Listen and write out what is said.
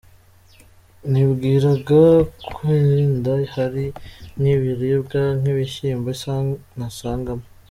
Nibwiraga ko wenda hari nk’ibiribwa nk’ibishyimbo nasangamo.